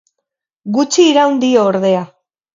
Gutxi iraun dio ordea.